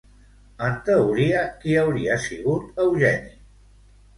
En teoria, qui hauria sigut Eugeni?